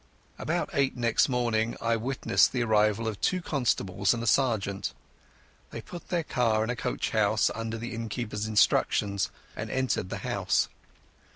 About eight next morning I witnessed the arrival of two constables and a sergeant. They put their car in a coach house under the innkeeper's instructions, and entered the house.